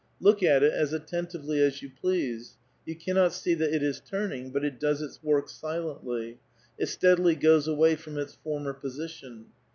Look at it as attentively as you please ; you cannot see that it is turning, but it does its work silently ; it steadily goes away from its former position.